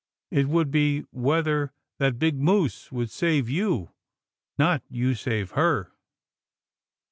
" It would be whether that big moose would save you, not you save her."